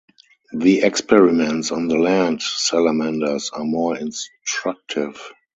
The experiments on the land salamanders are more instructive.